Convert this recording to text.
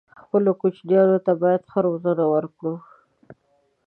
خپلو کوچنيانو ته بايد ښه روزنه ورکړو